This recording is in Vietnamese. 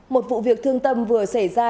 một vụ việc thương tâm vừa xảy ra